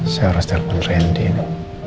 saya harus telepon randy ini